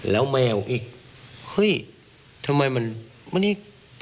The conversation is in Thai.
แล้วแมวอีกเฮ้ยทำไมมันนี่